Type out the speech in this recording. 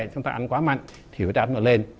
chúng ta ăn quá mạnh thì huyết áp nó lên